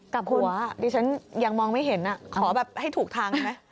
กับหัวดิฉันยังมองไม่เห็นขอแบบให้ถูกทางไหม